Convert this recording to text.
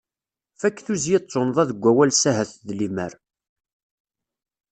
Fakk tuzzya d tunnḍa deg wawal s ahat d lemmer.